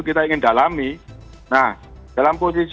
belum barang darah e coman terus terbang pekan roots